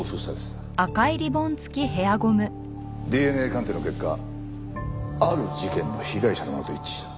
ＤＮＡ鑑定の結果ある事件の被害者のものと一致した。